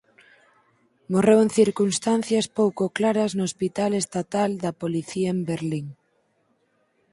Morreu en circunstancias pouco claras no hospital estatal da policía en Berlín.